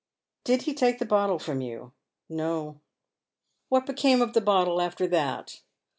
" Did he take the bottle from you ?"" No." " What became of the bottle after that